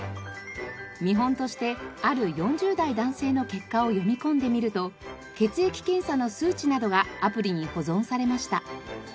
見本としてある４０代男性の結果を読み込んでみると血液検査の数値などがアプリに保存されました。